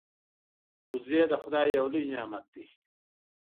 وزې د خدای یو لوی نعمت دی